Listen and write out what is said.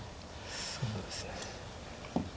そうですね。